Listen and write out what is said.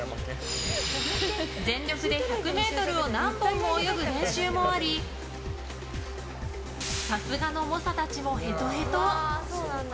全力で１００ｍを何本も泳ぐ練習もありさすがの猛者たちもヘトヘト。